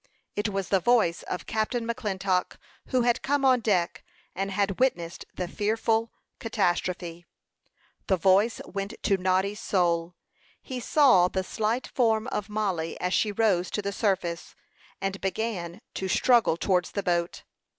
It was the voice of Captain McClintock, who had come on deck, and had witnessed the fearful catastrophe. The voice went to Noddy's soul. He saw the slight form of Mollie as she rose to the surface, and began to struggle towards the boat.